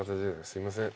すいません。